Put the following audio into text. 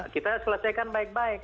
kita selesaikan baik baik